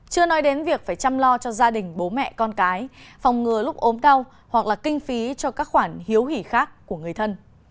chưa nói đến việc phải chăm lo cho gia đình bố mẹ con cái phòng ngừa lúc ốm đau hoặc là kinh phí cho các khoản hiếu hỉ khác của người thân